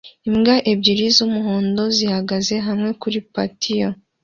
Imbwa ebyiri z'umuhondo zihagaze hamwe kuri patio